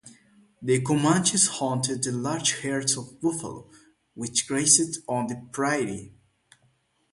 The Comanches hunted the large herds of buffalo, which grazed on the prairie.